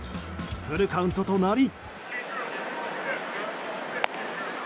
フルカウントとなり。